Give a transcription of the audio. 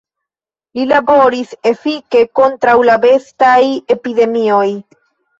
Li laboris efike kontraŭ la bestaj epidemioj.